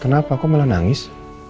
kenapa kok malah nangis